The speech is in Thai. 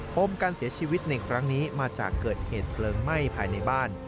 มการเสียชีวิตในครั้งนี้มาจากเกิดเหตุเพลิงไหม้ภายในบ้าน